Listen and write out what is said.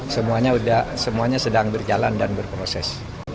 semuanya sudah semuanya sedang berjalan dan berproses